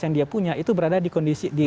yang dia punya itu berada di kondisi